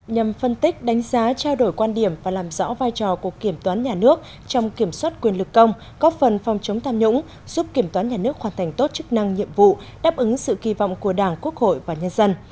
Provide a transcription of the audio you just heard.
nhằm phân tích đánh giá trao đổi quan điểm và làm rõ vai trò của kiểm toán nhà nước trong kiểm soát quyền lực công góp phần phòng chống tham nhũng giúp kiểm toán nhà nước hoàn thành tốt chức năng nhiệm vụ đáp ứng sự kỳ vọng của đảng quốc hội và nhân dân